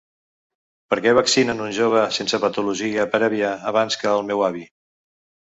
Per què vaccinen una jove sense patologia prèvia abans que el meu avi?